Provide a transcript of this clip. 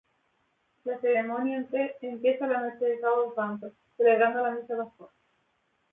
La ceremonia empieza la noche de Sábado Santo, celebrando la Misa Pascual.